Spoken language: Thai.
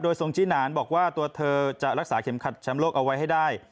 ทรงจี้หนานบอกว่าตัวเธอจะรักษาเข็มขัดแชมป์โลกเอาไว้ให้ได้